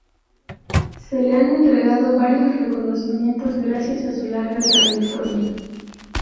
Se le han entregado varios reconocimientos gracias a su larga trayectoria.